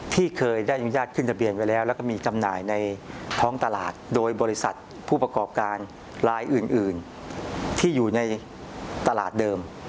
ที่เคยได้อนุญาตขึ้นทะเบียนไว้แล้วแล้วก็มีจำหน่ายในท้องตลาดโดยบริษัทผู้ประกอบการลายอื่นที่อยู่ในตลาดเดิม